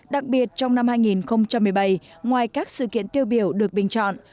đặc biệt trong năm hai nghìn một mươi bảy ngoài các sự kiện tiêu biểu được bình chọn